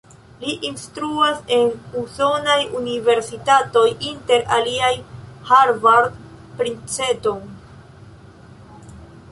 Li instruas en usonaj universitatoj, inter aliaj Harvard, Princeton.